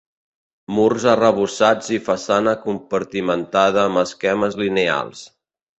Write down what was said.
Murs arrebossats i façana compartimentada amb esquemes lineals.